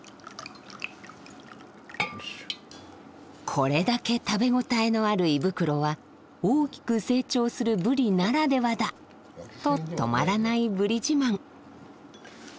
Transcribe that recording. これだけ食べ応えのある胃袋は大きく成長するブリならではだと止まらないブリ自慢。